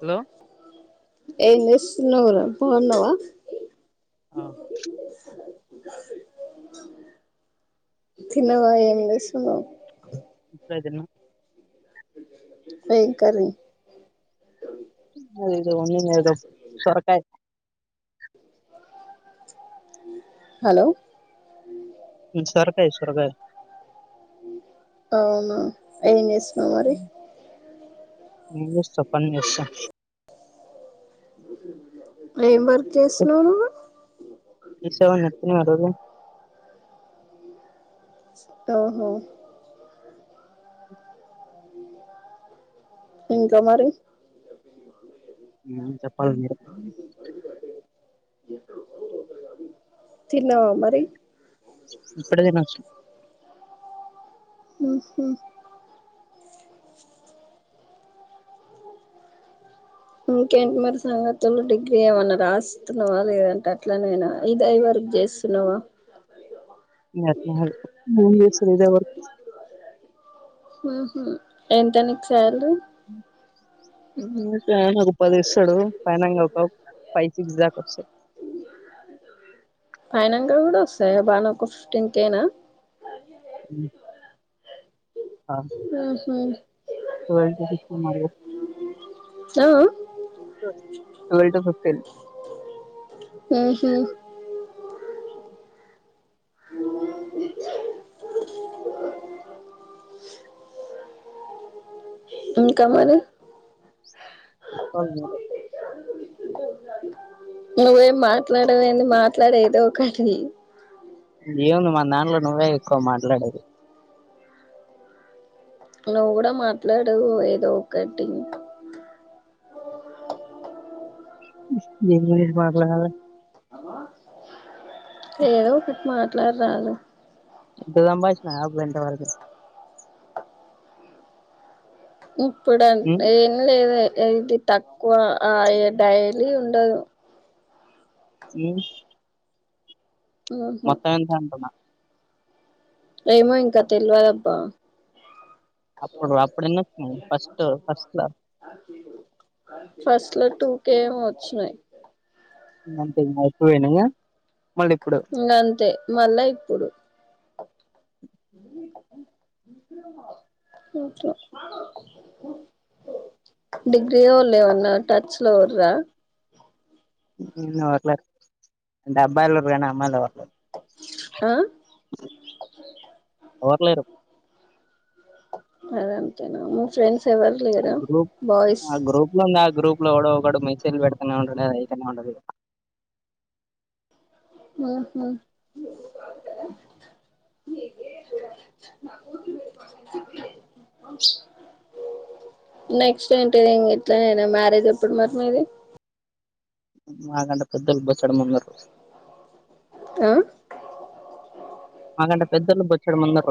Hello ఏం చేస్తున్నావురా, బావున్నావా ఆ [unintelligible] తినవా ఏం చేస్తున్నావ్? ఇప్పుడే తిన్న సయి కానీ అ ఇదు ఉణిన అదు సొరకాయ హలో సొరకై సొరగై అవున ఏంచేస్ మ మరి ఎం చేస్తావ్? పని చేస్తావు ఏమి మరి చేస్తున్నావు నువ్వు పస ఉన్నటిిన మరగ తోహో ఇంకా మరి యు చె పర్లేదు తిన్నవా మరి ఇప్పుడే తినొచ్చానా హు హు ఇంకేంటి మరి సంగతులు డిగ్రీ ఏమన్నా రాస్తున్నావా, లేదంటే అట్లనైనా ఇది అవి వరకు చేస్తున్నావా. ననా మూసదావర్ హు హు ఎంత నీకు శాలరీ నాకు ఉపాధి ఇస్తాడు పైనంగా ఒక ఫైసి దా వస్తాడు. ఫైనల్ గా కూడా వస్తాయి. బానే ఒక ఫిఫ్టీన్ కేేనా అ ఉహు వ ట ఫఫటీన్ మగవల్ ఆ ట ఫిఫటీన్ ఆ హ [unintelligible] [unintelligible] [unintelligible] ఇంకా మరి చెప్పాలి మీరే నువ్వేం మాట్లాడవ ఏంది. మాట్లాడే ఏదో ఒకటి. ఏముంది మా దాంట్లో నువ్వే ఎక్కువ మాట్లాడేది. నువ్వు కూడా మాట్లాడువు ఏదో ఒకటి మీర్ మీర్ మాట్లాడాలి ఏదో ఒకటి మాట్లాడరాదు. సంబాషిన అవు ఎంతవరకు ఇ ఇప్పుడు ఉమ్ ఏం లేదు. ఇది తక్కువ ఆ డైలీ ఉండదు అ ఉహు మొత్తం ఎంత అంటున్న ఏమో ఇంకా తెలవదబ్బా అప్పుడు అప్పుడున్నచ్చినాయ్ ఫస్ట్ ఫస్ట్ లో ఫస్ట్ లో టూ కే ఏమో వచ్చినయి అంతేఇంకా ఎప్పుడుపోలే ఇంకా అంతే మళ్ళా ఇప్పుడు నీకు డిగ్రీ లో వాళ్ళు ఏమన్నా టచ్ లో ఉర్రా ఇన్ ఔర్ క్లాస్ అబ్బాయిలు ఉంటారు కానీ అమ్మాయిలు ఆ ఎవరు లేరు మనం తినం ఫ్రెండ్స్ ఎవరు ఆ లేరా గ్రూప్ బాయ్స్ ఆ గ్రూప్ లో ఉంది ఆ గ్రూప్ లో ఎవడో వాడు మెన్షన్ పెడితేనే అయిత ఉ నెక్స్ట్ ఏంటది ఇ ఎట్లానా మ్యారేజ్ ఎప్పుడు మరి నీది మాకంటే పెద్దలు బచ్చడ ఉన్నారు ఆ మాకంటే పెద్దలు పొచ్చడం ముదర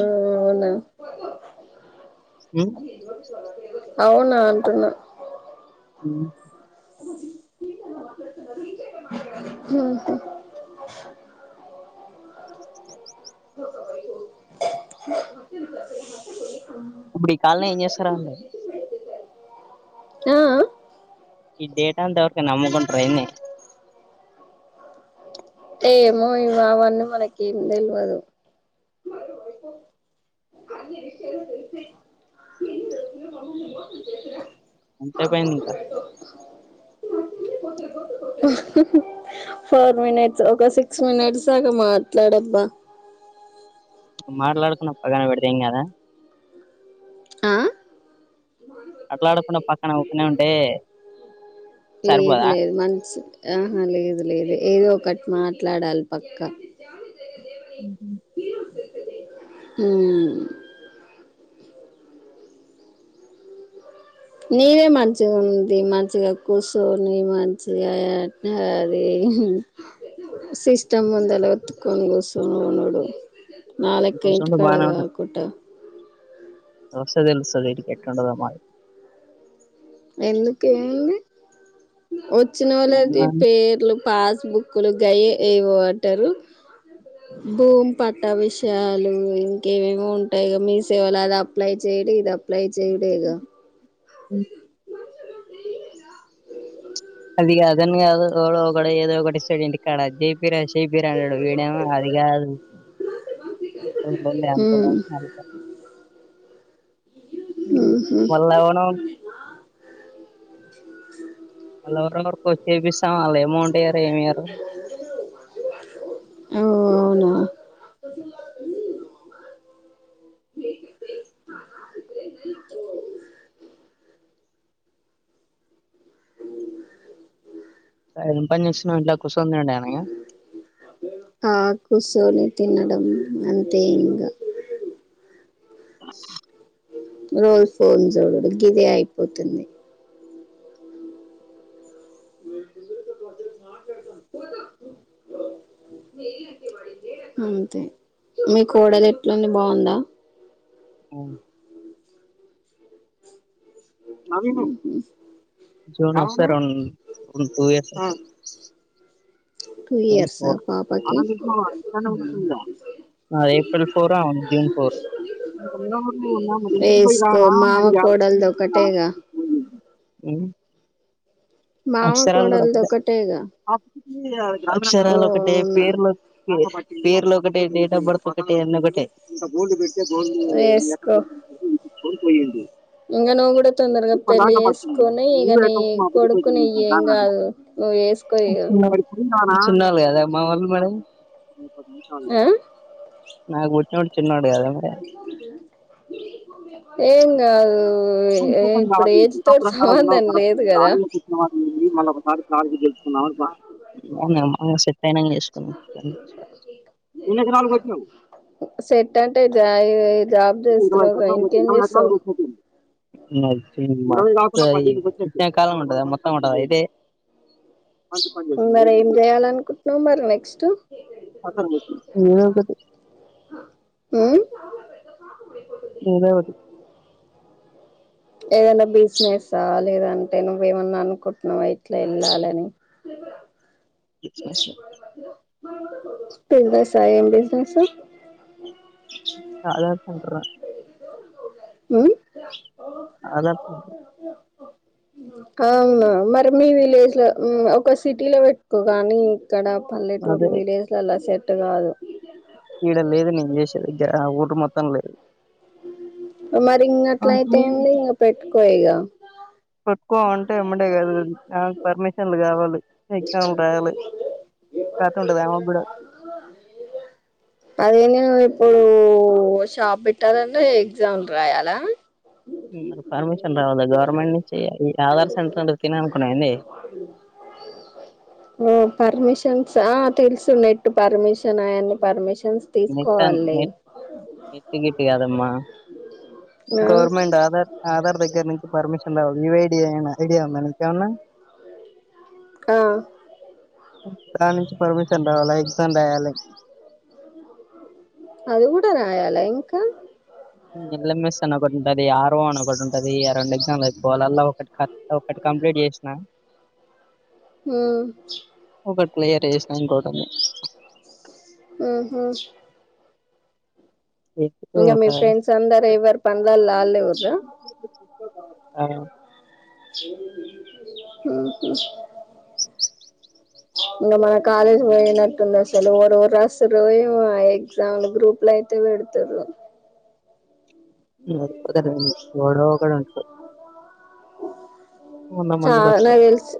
ఆ అవునా [inaudible] అవునా అంటున్నా ఉ ఉ [inaudible] [inaudible] అప్పుడ ఈ కాలిని ఏం చేస్తారు ఆ ఈ డేటా ఎంతావరకే నమ్కంట్రైంది అంటే ఏమో ఇ అవన్నీ మనకి ఏం తెలియదు అ విషయాల తెమ ఎంతసేపు హమ అయింది ఇంకా అ ఫోర్ మినిట్స్ ఒక సిక్స్ మినిట్స్ దాకా మాట్లాడబ్బా మాట్లకోడం పక్కన పెడితే పెడదంగాదా ఆ అట్లాడకుండా పక్కన ఊకె ఉంటే లేదు సరిపోదా లేదు మంచింది ఆహా లేదు లేదు ఏదో ఒకటి మాట్లాడాలి పక్క ఉహు మ్ నీవే మంచిగా ఉంది మంచిగా కూర్చొని మంచిగా అది సిస్టమ్ ముందలా ఒతుకొని కూర్చొని ఉనుడు నల్క ఇంటి కూర్చుంటే కాడా ఎవరు పడుకుంటారు వస్తా తిలుస్తాది ఇడికి ఎట్లుంటాడో ఎందుక వచ్చిన వాళ్ళ అది మరి పేర్లు పాస్బుక్లు గయ ఏవబట్టారు భూమి పట్టా విషయాలు ఇంకేమేమో ఉంటాయి మీ సేవలో అది అప్లై చేయడి ఇది ప్లై చే ఇడగా అ అదిగ అదన్ ఒకగ ఏదో ఒకాడంంటి కాక్కడ అజ్ి రస్ పిర్ండ్రడు వీడేమో అది కాదు అ ఉమ్ ఉహు వాళ్ళ లవర్ ఎరవరి కొచ్చపిస్తామాల అమౌంట్ ఇయ్యారు ఏమి్యారు ఓ అవునా అ పని చేస్తునావు ఇంట్లో కుస్ తినడానికి ఆ కూర్చొని తినడం అంతే ఇంకా రోల్ ఫోన్ చేయరు గిదే అయిపోతుంది అంతే మీ కోడలు ఎట్లాంది బాగుందా ఉ జన్ సార్న్న్ టూ ఇయర్స్ టూ ఇయర్సా పాపకి ఏప్రిల్ పో జూన్ పో వేసుకో మామ కోడలది ఒకటేగా ఆ మాావ కోడలది ఒకటేగా అవు ఓ అక్షరాలు ఒకటే అవునా పేర్లు పేర్లు ఒకటిే డేట్ ఆఫ్ బర్త్ ఒకటే అని ఒకటే వేసుకో షన్ పోందు ఇంకా నువ్వు కూడా తొందరగా పెళ్లిి పట్టింది వేసుకొని ఇక న్యూ న అకౌంట్ మా అభివృద్ధి కొడుకు ఒకుని పోయింది ఏం దాని కాదు నువ్వు వేసుకోయ ఉున్నాాలి కదా మా వాళ్ళు మేడం ఆ నాకు పుట్టినోడు చిన్నడు ఏ ఇంకొకటి ఇప్పుడు కాదు ఏజ్ తో శ్రీకాకుళం కాడ ఉండవు సంబంధం కరెక్ట్ లేదు కదా ఆడియో వచ్చిన వాటి మళ్ళీ ఒకసారి కార్కి తెచ్చుకున్నా అవు సెట్ అయినంగా చేసుకు వ సెట్ అంటే జా జాబ్ చేస్తున్నావ్ కదా ఇంకేం చేస్తావ్ అ [unintelligible] ఎండకాలం ఉంటాదా మొత్తం ఉంటాదా ఇదే. మరి ఏం చేయాలి అనుకుంటున్నాం మరి నెక్స్ట్. టు. ఏదో ఒకటి. ఉమ్ ఏదో ఒకటి. ఏదన్నా బిజినెసా లేదంటే నువ్వేమన్నా అనుకుంటున్నావా ఇట్లా వెళ్ళాలని. బిజినెస్. బిజినెస్ ఆ ఏం బిజినెస్. ఆధార్ సెంటర్ ఉమ్. ఆధార్ సెంటర్ అవున మరి మీ విలేజ్ లో ఒక సిటీ లో పెట్టుకో గాని. ఇక్కడ అదే పల్లెటూర్లు విలేజ్ లా అలా సెట్. అటు కాదు. ఈడ లేదు నేను చేసేది ఊరు మొత్తం లేదు. మరి ఇంగ అట్లా అయితే ఏంది ఇంక పెట్టుకో ఇగ. పట్టుకోమంటే ఇమ్మడే కాదు అది. పర్మిషన్లు కావాలి. ఎగ్జామ్లు రాయాలి కథ ఉంటది ఆమెకు కూడా అది. ఇప్పుడు షాప్ పెట్టాలండి ఎగ్జామ్స్ రాయాలా. పర్మిషన్ రావాలా గవర్నమెంట్. నుంచి ఈ ఆధార్ సెంటర్ అంటే తిననుకున్నావా ఏంది ఓ పర్మిషన్. తెలుసు నెట్టు పర్మిషన్ అయన్ని పర్మిషన్. నె నెట్ నెట్ గిట్టు కాదమ్మా. ఆ గవర్నమెంట్ ఆధార్ ఆధార్. దగ్గర నుంచి పర్మిషన్ రావాలి యు. ఐ. డి ఐడియా ఉందా నీకేమన్నా. ఆహా. దాన్నుంచి పర్మిషన్ రావాలి ఎగ్జామ్ రాయాలి. అదికూడా రాయాలా ఇంకా. ఎల్ఎంఎస్ అన ఒకటి ఉంటది ఆర్ఓ అని ఒకటి ఉంటాది ఆ రెండు ఎగ్జామ్. పొగలల్ల కట్. ఒకటి కంప్లీట్ చేసిన హ్మ్. ఒకటి క్లియర్ చేసినా ఇంకోటి ఉంది. ఉహు. లేకపోతే ఇంకా ఒక మీ ఫ్రెండ్స్ అందరు ఎవరు పనిలల్లో అల్లే కదా ఆ హు హు ఇంకా మన కాలేజ్ పోయినట్టుంది అసలు ఎవరెవరు రాస్తున్నరో ఏమో ఏ ఎగ్జామ్ లు గ్రూప్ లో అయితే పెడతారు. డో కూడాడ ఉంట ఆ మందిలో చాలా ఒకడు తెలుసు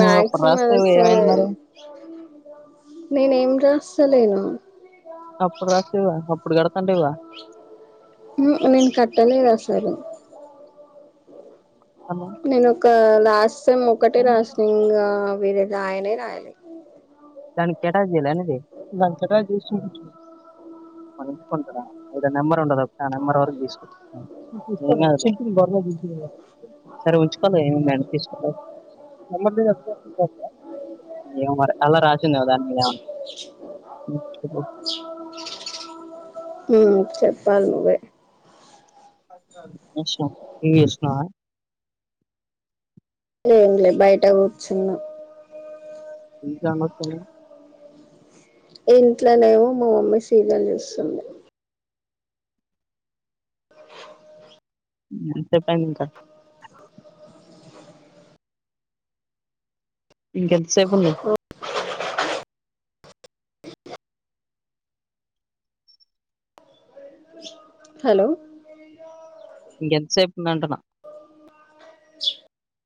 నువ్వు అప్పుడు రాస్తేవి ఏమైంది సైడ్ మరి నేనే ఏం రాస్తలేను అప్పుడు రాసినావు కదా ఇప్పుడు కడతాతీవగా నే నేను కట్టలేదు అసలు వీడియో కాల్ క్లాస్ ఎగ్జామ్ ఒక్కటే రాస్తా ఇంగా [unintelligible] రాయనే రాయలే దానికిటాయాల అనేది దాకుంటా ఐద నెంబర్ ఉండదు ఆ నెంబర్ వరకు తీసుకో సరే ఉంచు ఏడి తీసుకు ఏమో మరి [unintelligible] [unintelligible] హు చెప్పాలి నువ్వే ఏష్ పింగ్ చేశావా ఏం లే బయట కూర్చున్నా ఇంకా ఏం వస్తుంది ఇంట్లోనేమో మా మమ్మీ సీరియల్ చూస్తుంది హ్మ్ చెప్పండి ఇంకా ఇంకెంతసేపు ఉంది హలో ఇంకెంతసేపు ఉందంటనా హుమ్